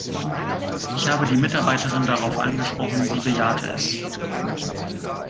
Ich habe die Mitarbeiterin darauf angesprochen, sie bejahte es.